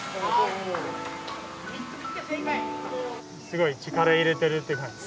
すごい力入れてるっていう感じ。